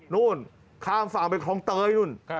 นู่นข้ามฝั่งไปคลองเตยนู่น